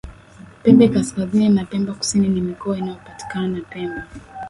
Pemba kaskazini na pemba kusini ni mikoa inayopatikana pemba